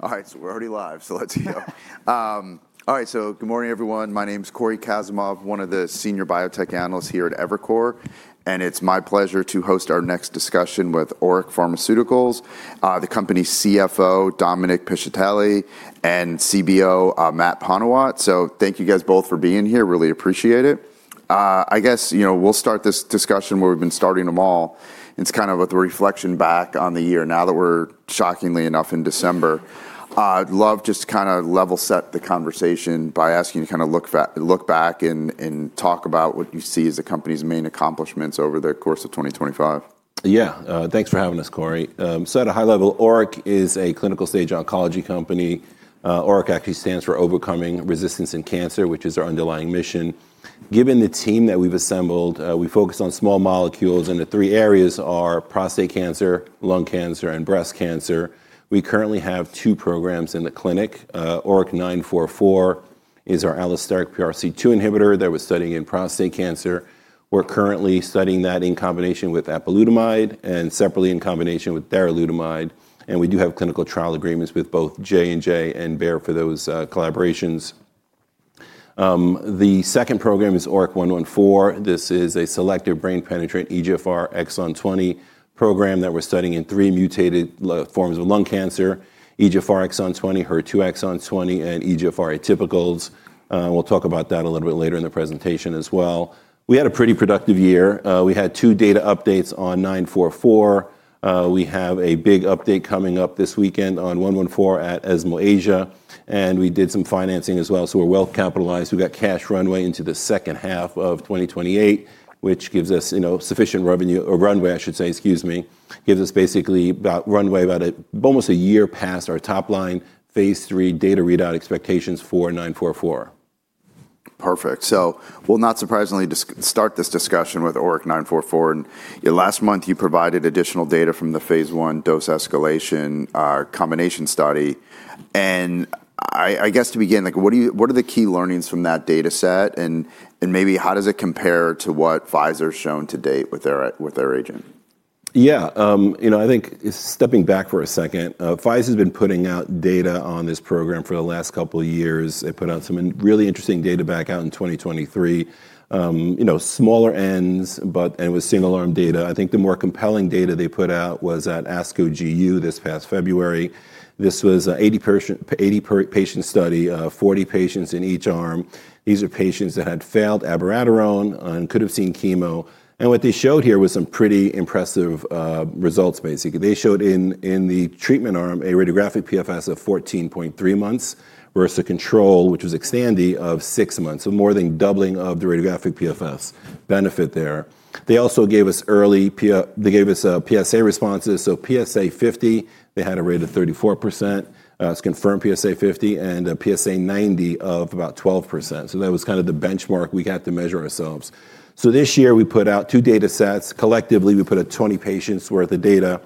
All right. All right, so we're already live, so let's go. All right, so good morning, everyone. My name's Cory Kasimov, one of the senior biotech analysts here at Evercore, and it's my pleasure to host our next discussion with ORIC Pharmaceuticals, the company's CFO, Dominic Piscitelli, and CBO, Matt Panuwat. So thank you guys both for being here. Really appreciate it. I guess, you know, we'll start this discussion where we've been starting them all. It's kind of a reflection back on the year now that we're shockingly enough in December. I'd love just to kind of level set the conversation by asking you to kind of look back and talk about what you see as the company's main accomplishments over the course of 2025. Yeah, thanks for having us, Cory, so at a high level, ORIC is a clinical-stage oncology company. ORIC actually stands for Overcoming Resistance in Cancer, which is our underlying mission. Given the team that we've assembled, we focus on small molecules, and the three areas are prostate cancer, lung cancer, and breast cancer. We currently have two programs in the clinic. ORIC-944 is our allosteric PRC2 inhibitor that we're studying in prostate cancer. We're currently studying that in combination with apalutamide and separately in combination with darolutamide, and we do have clinical trial agreements with both J&J and Bayer for those collaborations. The second program is ORIC-114. This is a selective brain penetrant EGFR exon 20 program that we're studying in three mutated forms of lung cancer: EGFR exon 20, HER2 exon 20, and EGFR atypicals. We'll talk about that a little bit later in the presentation as well. We had a pretty productive year. We had two data updates on 944. We have a big update coming up this weekend on 114 at ESMO Asia, and we did some financing as well. So we're well capitalized. We got cash runway into the second half of 2028, which gives us, you know, sufficient revenue or runway, I should say, excuse me, gives us basically about runway about almost a year past our top line phase III data readout expectations for 944. Perfect. So we'll not surprisingly start this discussion with ORIC-944, and last month, you provided additional data from the phase I dose escalation combination study, and I guess to begin, what are the key learnings from that data set, and maybe how does it compare to what Pfizer has shown to date with their agent? Yeah, you know, I think stepping back for a second, Pfizer has been putting out data on this program for the last couple of years. They put out some really interesting data back out in 2023, you know, smaller Ns, but it was single arm data. I think the more compelling data they put out was at ASCO GU this past February. This was an 80-patient study, 40 patients in each arm. These are patients that had failed abiraterone and could have seen chemo. And what they showed here was some pretty impressive results, basically. They showed in the treatment arm a radiographic PFS of 14.3 months versus a control, which was Xtandi, of six months, so more than doubling of the radiographic PFS benefit there. They also gave us early PSA responses. So PSA 50, they had a rate of 34%. It's confirmed PSA 50 and a PSA 90 of about 12%. So that was kind of the benchmark we had to measure ourselves. So this year we put out two data sets. Collectively, we put out 20 patients' worth of data.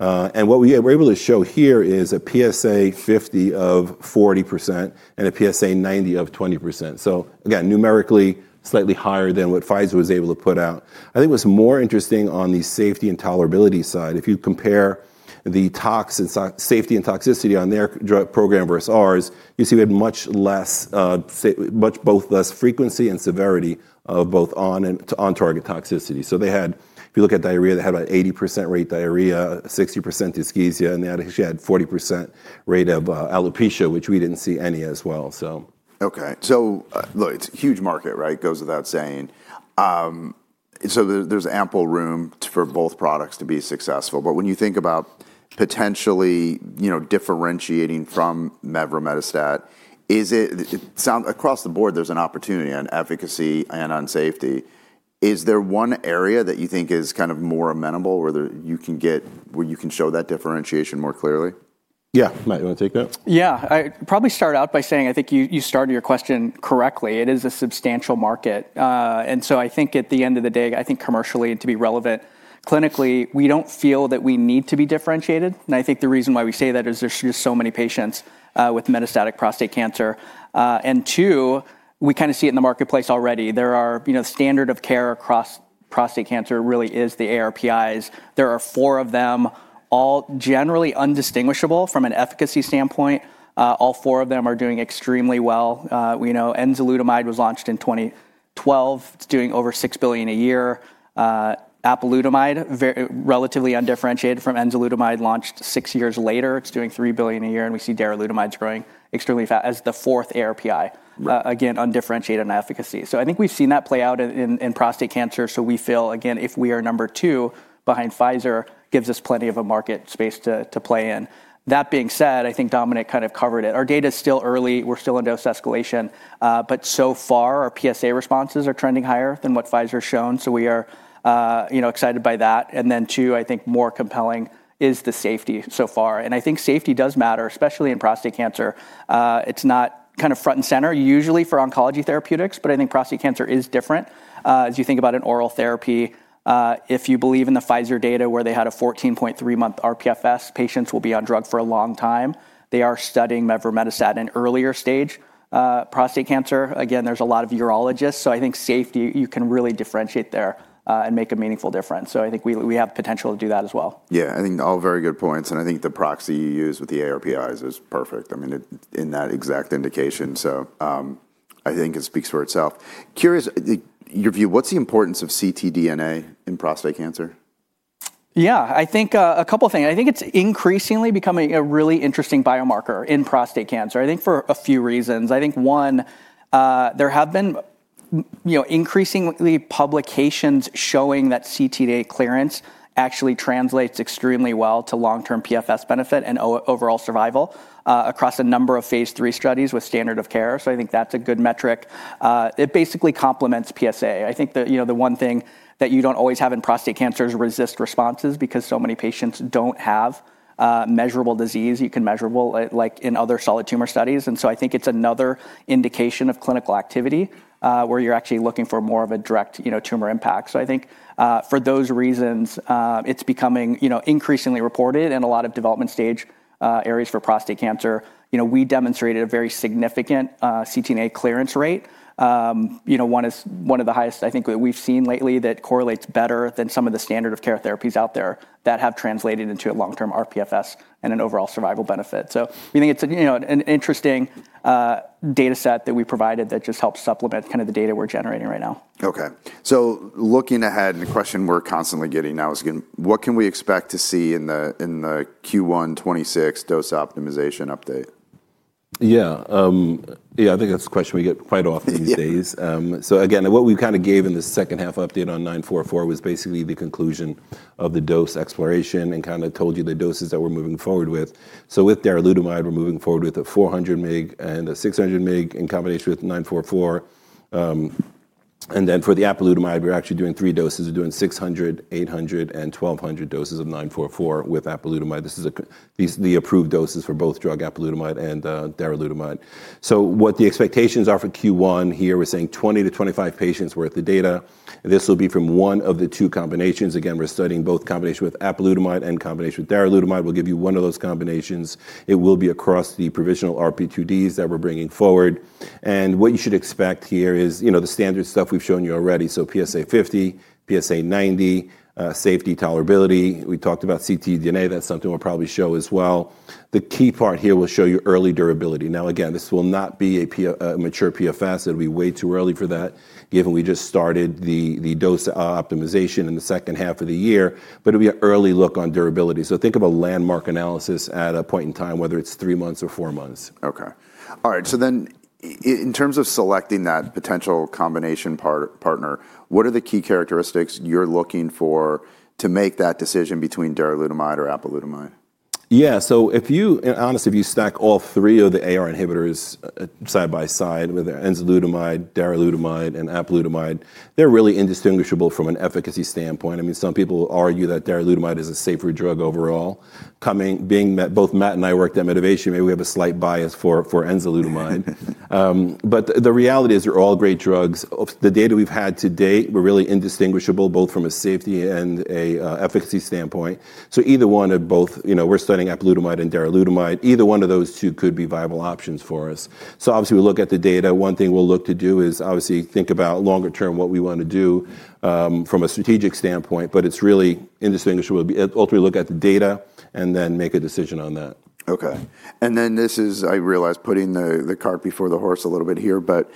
And what we were able to show here is a PSA 50 of 40% and a PSA 90 of 20%. So again, numerically slightly higher than what Pfizer was able to put out. I think what's more interesting on the safety and tolerability side, if you compare the toxicity and safety and toxicity on their program versus ours, you see we had much less, much both less frequency and severity of both on-target toxicity. So they had, if you look at diarrhea, they had about an 80% rate diarrhea, 60% dyschezia, and they actually had a 40% rate of alopecia, which we didn't see any as well, so. Okay. So look, it's a huge market, right? It goes without saying. So there's ample room for both products to be successful. But when you think about potentially, you know, differentiating from mevrometostat, is it standout across the board? There's an opportunity on efficacy and on safety. Is there one area that you think is kind of more amenable where you can show that differentiation more clearly? Yeah, Matt, you want to take that? Yeah, I'd probably start out by saying I think you started your question correctly. It is a substantial market, and so I think at the end of the day, I think commercially to be relevant clinically, we don't feel that we need to be differentiated. And I think the reason why we say that is there's just so many patients with metastatic prostate cancer, and two, we kind of see it in the marketplace already. There are, you know, the standard of care across prostate cancer really is the ARPIs. There are four of them, all generally indistinguishable from an efficacy standpoint. All four of them are doing extremely well. You know, enzalutamide was launched in 2012. It's doing over $6 billion a year. Apalutamide, relatively undifferentiated from enzalutamide, launched six years later. It's doing $3 billion a year. And we see darolutamide's growing extremely fast as the fourth ARPI, again, undifferentiated on efficacy. So I think we've seen that play out in prostate cancer. So we feel, again, if we are number two behind Pfizer, it gives us plenty of a market space to play in. That being said, I think Dominic kind of covered it. Our data is still early. We're still in dose escalation. But so far, our PSA responses are trending higher than what Pfizer has shown. So we are, you know, excited by that. And then two, I think more compelling is the safety so far. And I think safety does matter, especially in prostate cancer. It's not kind of front and center usually for oncology therapeutics, but I think prostate cancer is different. As you think about an oral therapy, if you believe in the Pfizer data where they had a 14.3-month rPFS, patients will be on drug for a long time. They are studying mevrometostat in earlier stage prostate cancer. Again, there's a lot of urologists, so I think safety, you can really differentiate there and make a meaningful difference, so I think we have potential to do that as well. Yeah, I think all very good points. And I think the proxy you use with the ARPIs is perfect, I mean, in that exact indication. So I think it speaks for itself. Curious, your view, what's the importance of ctDNA in prostate cancer? Yeah, I think a couple of things. I think it's increasingly becoming a really interesting biomarker in prostate cancer. I think for a few reasons. I think one, there have been, you know, increasingly publications showing that ctDNA clearance actually translates extremely well to long-term PFS benefit and overall survival across a number of phase III studies with standard of care. So I think that's a good metric. It basically complements PSA. I think the, you know, the one thing that you don't always have in prostate cancer is RECIST responses because so many patients don't have measurable disease. You can measure it like in other solid tumor studies. And so I think it's another indication of clinical activity where you're actually looking for more of a direct, you know, tumor impact. So I think for those reasons, it's becoming, you know, increasingly reported in a lot of development stage areas for prostate cancer. You know, we demonstrated a very significant ctDNA clearance rate. You know, one is one of the highest, I think, that we've seen lately that correlates better than some of the standard of care therapies out there that have translated into a long-term rPFS and an overall survival benefit. So we think it's a, you know, an interesting data set that we provided that just helps supplement kind of the data we're generating right now. Okay. So looking ahead, the question we're constantly getting now is, what can we expect to see in the Q1 2026 dose optimization update? Yeah, yeah, I think that's a question we get quite often these days. So again, what we kind of gave in the second half update on 944 was basically the conclusion of the dose exploration and kind of told you the doses that we're moving forward with. So with darolutamide, we're moving forward with a 400 mg and a 600 mg in combination with 944. And then for the apalutamide, we're actually doing three doses. We're doing 600 mg, 800 mg, and 1,200 mg doses of 944 with apalutamide. This is the approved doses for both drug apalutamide and darolutamide. So what the expectations are for Q1 here, we're saying 20-25 patients' worth of data. This will be from one of the two combinations. Again, we're studying both combination with apalutamide and combination with darolutamide. We'll give you one of those combinations. It will be across the provisional RP2Ds that we're bringing forward. And what you should expect here is, you know, the standard stuff we've shown you already. So PSA 50, PSA 90, safety, tolerability. We talked about ctDNA. That's something we'll probably show as well. The key part here will show you early durability. Now, again, this will not be a mature PFS. It'll be way too early for that, given we just started the dose optimization in the second half of the year. But it'll be an early look on durability. So think of a landmark analysis at a point in time, whether it's three months or four months. Okay. All right. So then in terms of selecting that potential combination partner, what are the key characteristics you're looking for to make that decision between darolutamide or apalutamide? Yeah, so if you, honestly, if you stack all three of the AR inhibitors side by side with enzalutamide, darolutamide, and apalutamide, they're really indistinguishable from an efficacy standpoint. I mean, some people argue that darolutamide is a safer drug overall. Coming from, being that Matt and I worked at Medivation, maybe we have a slight bias for enzalutamide. But the reality is they're all great drugs. The data we've had to date were really indistinguishable both from a safety and an efficacy standpoint. So either one or both, you know, we're studying apalutamide and darolutamide. Either one of those two could be viable options for us. So obviously we look at the data. One thing we'll look to do is obviously think about longer term what we want to do from a strategic standpoint, but it's really indistinguishable. Ultimately, look at the data and then make a decision on that. Okay. And then this is, I realize, putting the cart before the horse a little bit here, but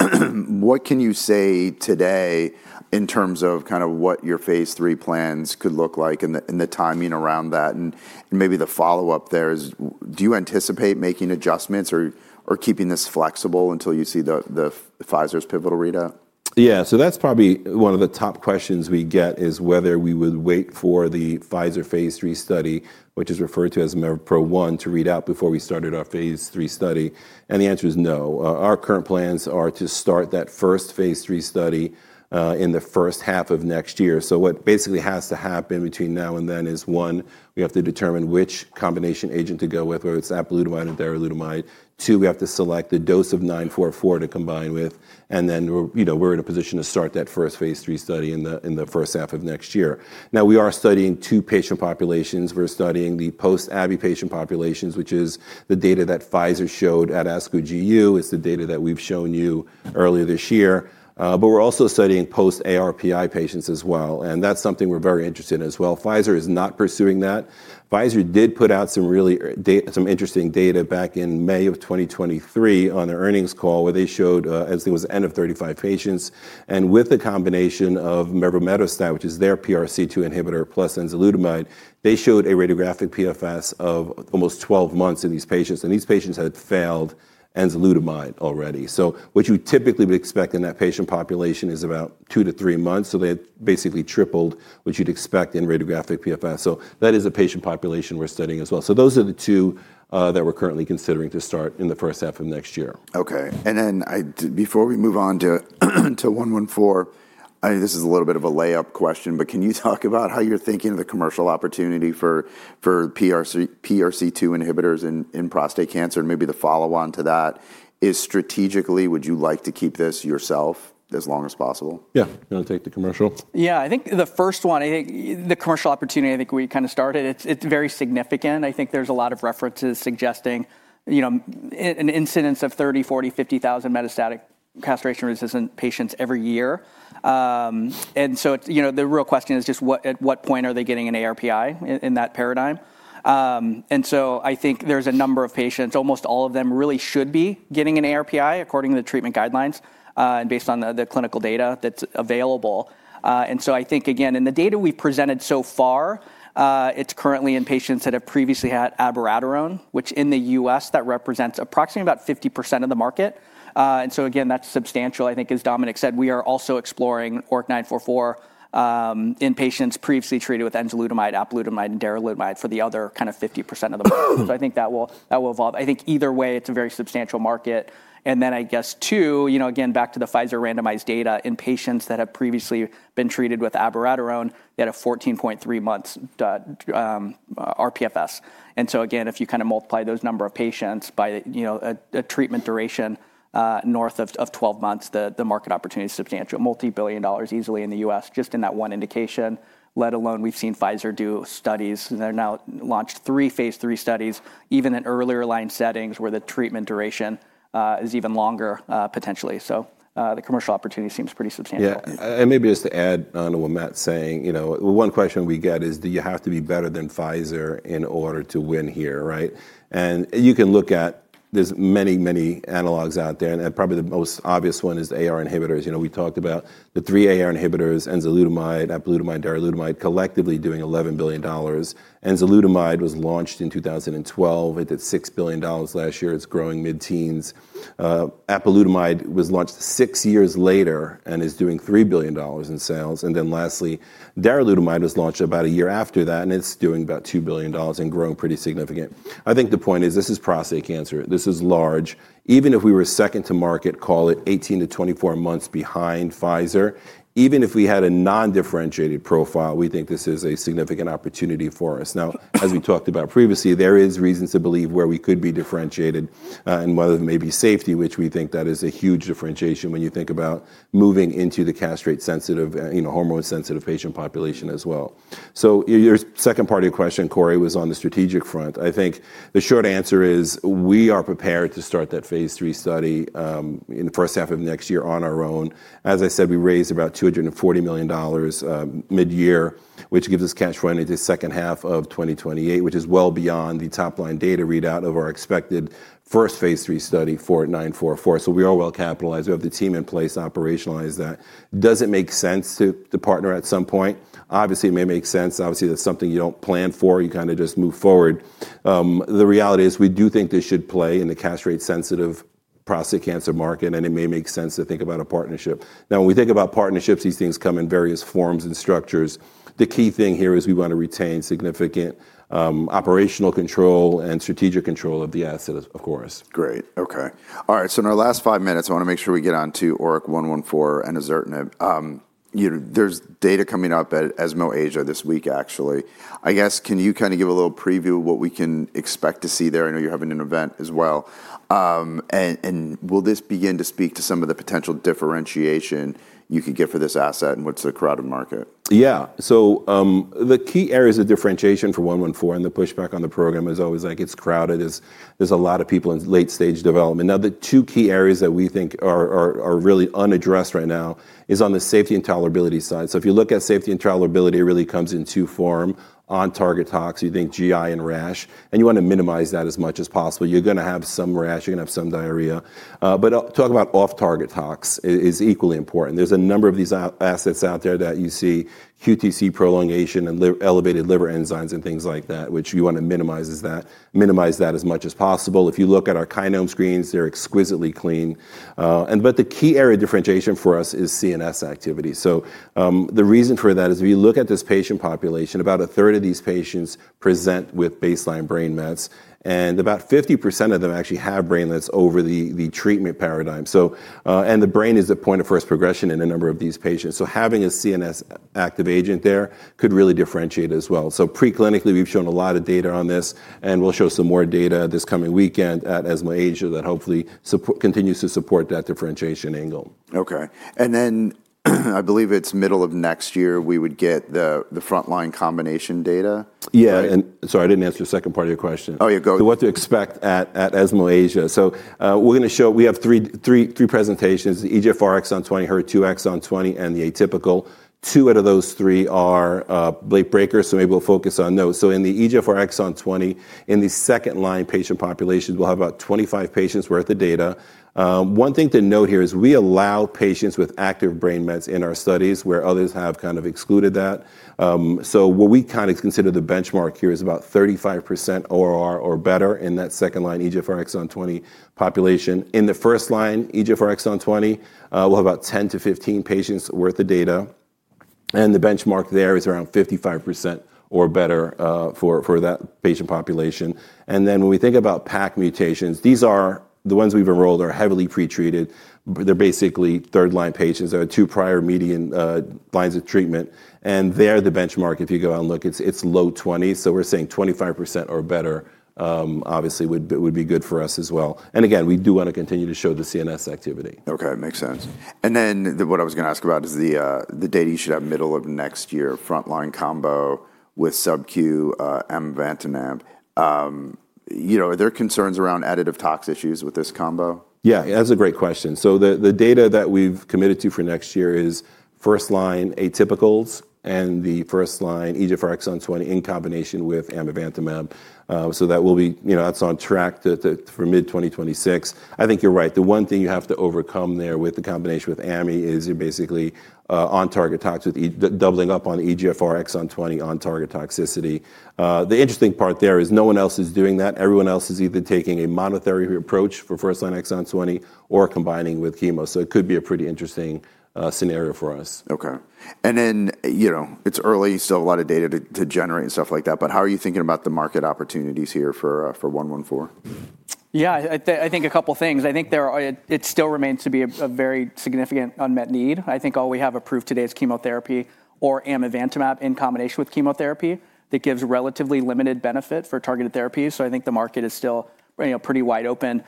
what can you say today in terms of kind of what your phase III plans could look like and the timing around that? And maybe the follow-up there is, do you anticipate making adjustments or keeping this flexible until you see Pfizer's pivotal readout? Yeah, so that's probably one of the top questions we get is whether we would wait for the Pfizer phase III study, which is referred to as mevrometostat 1, to read out before we started our phase III study. And the answer is no. Our current plans are to start that first phase III study in the first half of next year. So what basically has to happen between now and then is one, we have to determine which combination agent to go with, whether it's apalutamide or darolutamide. Two, we have to select the dose of 944 to combine with. And then, you know, we're in a position to start that first phase III study in the first half of next year. Now, we are studying two patient populations. We're studying the post-ABI patient populations, which is the data that Pfizer showed at ASCO GU. It's the data that we've shown you earlier this year, but we're also studying post-ARPI patients as well, and that's something we're very interested in as well. Pfizer is not pursuing that. Pfizer did put out some really interesting data back in May of 2023 on their earnings call, where they showed, as it was the end of 35 patients, and with the combination of mevrometostat, which is their PRC2 inhibitor plus enzalutamide, they showed a radiographic PFS of almost 12 months in these patients, and these patients had failed enzalutamide already, so what you typically would expect in that patient population is about two to three months, so they had basically tripled what you'd expect in radiographic PFS, so that is a patient population we're studying as well, so those are the two that we're currently considering to start in the first half of next year. Okay. And then before we move on to 114, this is a little bit of a layup question, but can you talk about how you're thinking of the commercial opportunity for PRC2 inhibitors in prostate cancer? And maybe the follow-on to that is strategically, would you like to keep this yourself as long as possible? Yeah, you want to take the commercial? Yeah, I think the first one, I think the commercial opportunity, I think we kind of started, it's very significant. I think there's a lot of references suggesting, you know, an incidence of 30,000, 40,000, 50,000 metastatic castration-resistant patients every year. And so it's, you know, the real question is just what, at what point are they getting an ARPI in that paradigm? And so I think there's a number of patients, almost all of them really should be getting an ARPI according to the treatment guidelines and based on the clinical data that's available. And so I think, again, in the data we've presented so far, it's currently in patients that have previously had abiraterone, which in the U.S., that represents approximately about 50% of the market. And so again, that's substantial, I think, as Dominic said. We are also exploring ORIC-944 in patients previously treated with enzalutamide, apalutamide, and darolutamide for the other kind of 50% of the market. So I think that will evolve. I think either way, it's a very substantial market. And then I guess too, you know, again, back to the Pfizer randomized data in patients that have previously been treated with abiraterone, they had a 14.3 months rPFS. And so again, if you kind of multiply those number of patients by, you know, a treatment duration north of 12 months, the market opportunity is substantial. Multi-billion dollars easily in the U.S. just in that one indication, let alone we've seen Pfizer do studies. They're now launched three phase III studies, even in earlier line settings where the treatment duration is even longer potentially. So the commercial opportunity seems pretty substantial. Yeah, and maybe just to add on to what Matt's saying, you know, one question we get is, do you have to be better than Pfizer in order to win here, right? And you can look at, there's many, many analogs out there. And probably the most obvious one is the AR inhibitors. You know, we talked about the three AR inhibitors, enzalutamide, apalutamide, darolutamide, collectively doing $11 billion. Enzalutamide was launched in 2012. It did $6 billion last year. It's growing mid-teens. Apalutamide was launched six years later and is doing $3 billion in sales. And then lastly, darolutamide was launched about a year after that and it's doing about $2 billion and growing pretty significant. I think the point is this is prostate cancer. This is large. Even if we were second to market, call it 18-24 months behind Pfizer, even if we had a non-differentiated profile, we think this is a significant opportunity for us. Now, as we talked about previously, there is reason to believe where we could be differentiated and whether maybe safety, which we think that is a huge differentiation when you think about moving into the castrate-sensitive, you know, hormone-sensitive patient population as well. So your second part of your question, Cory, was on the strategic front. I think the short answer is we are prepared to start that phase III study in the first half of next year on our own. As I said, we raised about $240 million mid-year, which gives us cash flow into the second half of 2028, which is well beyond the top line data readout of our expected first phase III study for 944. So we are well capitalized. We have the team in place to operationalize that. Does it make sense to partner at some point? Obviously, it may make sense. Obviously, that's something you don't plan for. You kind of just move forward. The reality is we do think this should play in the castrate-sensitive prostate cancer market, and it may make sense to think about a partnership. Now, when we think about partnerships, these things come in various forms and structures. The key thing here is we want to retain significant operational control and strategic control of the asset, of course. Great. Okay. All right. So in our last five minutes, I want to make sure we get on to ORIC-114 enozertinib. You know, there's data coming up at ESMO Asia this week, actually. I guess, can you kind of give a little preview of what we can expect to see there? I know you're having an event as well, and will this begin to speak to some of the potential differentiation you could get for this asset and what's the crowded market? Yeah. So the key areas of differentiation for 114 and the pushback on the program is always like it's crowded. There's a lot of people in late-stage development. Now, the two key areas that we think are really unaddressed right now is on the safety and tolerability side. So if you look at safety and tolerability, it really comes in two forms. On target tox, you think GI and rash, and you want to minimize that as much as possible. You're going to have some rash. You're going to have some diarrhea. But talk about off-target tox is equally important. There's a number of these assets out there that you see: QTc prolongation and elevated liver enzymes and things like that, which you want to minimize that as much as possible. If you look at our Kinome screens, they're exquisitely clean. But the key area of differentiation for us is CNS activity. So the reason for that is if you look at this patient population, about a third of these patients present with baseline brain mets, and about 50% of them actually have brain mets over the treatment paradigm. And the brain is the point of first progression in a number of these patients. So having a CNS active agent there could really differentiate as well. So preclinically, we've shown a lot of data on this, and we'll show some more data this coming weekend at ESMO Asia that hopefully continues to support that differentiation angle. Okay, and then I believe it's middle of next year we would get the frontline combination data. Yeah. And sorry, I didn't answer the second part of your question. Oh, you're good. What to expect at ESMO Asia? So we're going to show, we have three presentations: EGFR exon 20, HER2 exon 20, and the atypical. Two out of those three are breakers, so maybe we'll focus on those. So in the EGFR exon 20, in the second line patient population, we'll have about 25 patients' worth of data. One thing to note here is we allow patients with active brain mets in our studies where others have kind of excluded that. So what we kind of consider the benchmark here is about 35% ORR or better in that second line EGFR exon 20 population. In the first line EGFR exon 20, we'll have about 10 to 15 patients' worth of data. And the benchmark there is around 55% or better for that patient population. And then when we think about PACC mutations, these are the ones we've enrolled are heavily pretreated. They're basically third line patients. There are two prior median lines of treatment, and they're the benchmark if you go and look. It's low 20s, so we're saying 25% or better obviously would be good for us as well, and again, we do want to continue to show the CNS activity. Okay, makes sense and then what I was going to ask about is the data you should have middle of next year, frontline combo with SubQ, amivantamab. You know, are there concerns around additive tox issues with this combo? Yeah, that's a great question. So the data that we've committed to for next year is first line atypicals and the first line EGFR exon 20 in combination with amivantamab. So that will be, you know, that's on track for mid-2026. I think you're right. The one thing you have to overcome there with the combination with is you're basically on target tox with doubling up on EGFR exon 20 on target toxicity. The interesting part there is no one else is doing that. Everyone else is either taking a monotherapy approach for first line exon 20 or combining with chemo. So it could be a pretty interesting scenario for us. Okay. And then, you know, it's early, still a lot of data to generate and stuff like that, but how are you thinking about the market opportunities here for 114? Yeah, I think a couple of things. I think it still remains to be a very significant unmet need. I think all we have approved today is chemotherapy or amivantamab in combination with chemotherapy that gives relatively limited benefit for targeted therapies. So I think the market is still, you know, pretty wide open.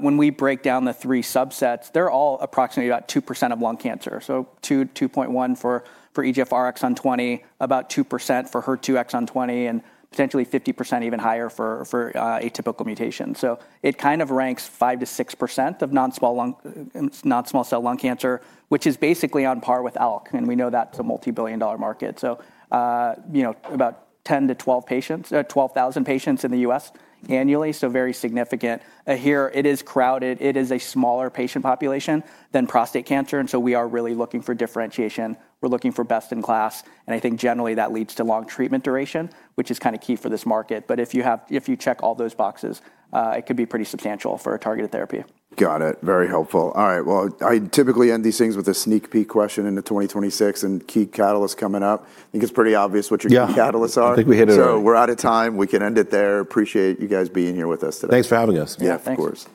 When we break down the three subsets, they're all approximately about 2% of lung cancer. So 2.1% for EGFR exon 20, about 2% for HER2 exon 20, and potentially 50% even higher for atypical mutation. So it kind of ranks 5%-6% of non-small cell lung cancer, which is basically on par with ALK. And we know that's a multi-billion-dollar market. So, you know, about 10,000-12,000 patients in the U.S. annually. So very significant. Here, it is crowded. It is a smaller patient population than prostate cancer. And so we are really looking for differentiation. We're looking for best in class. And I think generally that leads to long treatment duration, which is kind of key for this market. But if you check all those boxes, it could be pretty substantial for a targeted therapy. Got it. Very helpful. All right. Well, I typically end these things with a sneak peek question into 2026 and key catalysts coming up. I think it's pretty obvious what your key catalysts are. Yeah, I think we hit it. So we're out of time. We can end it there. Appreciate you guys being here with us today. Thanks for having us. Yeah, thanks. Of course.